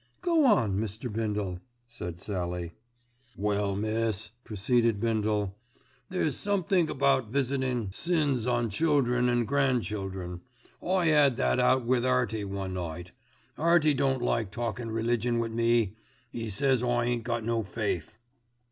"Go on, Mr. Bindle," said Sallie. "Well, miss," proceeded Bindle. "There's somethink about visitin' sins on children an' grand children. I 'ad that out with 'Earty one night. 'Earty don't like talkin' religion wi' me. 'E says I ain't got no faith."